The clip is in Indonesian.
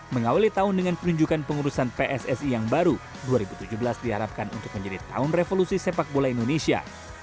mengawali tahun dengan penunjukan pengurusan pssi yang baru dua ribu tujuh belas diharapkan untuk menjadi tahun revolusi sepak bola indonesia